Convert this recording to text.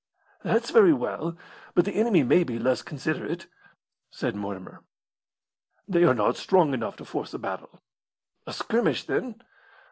"That's very well; but the enemy may be less considerate," said Mortimer. "They are not strong enough to force a battle." "A skirmish, then?"